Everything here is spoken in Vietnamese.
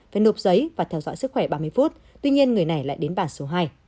phải nộp giấy và theo dõi sức khỏe ba mươi phút tuy nhiên người này lại đến bà số hai